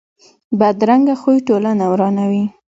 بدرنګه خوی ټولنه ورانوي